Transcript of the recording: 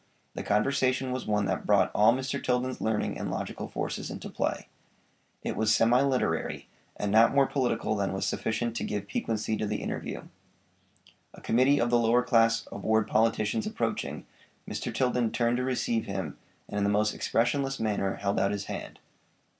The conversation was one that brought all Mr. Tilden's learning and logical forces into play. It was semi literary, and not more political than was sufficient to give piquancy to the interview. A committee of the lower class of ward politicians approaching, Mr. Tilden turned to receive him, and in the most expressionless manner held out his hand.